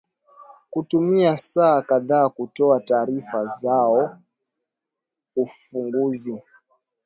kutumia saa kadhaa kutoa taarifa zao ufunguzi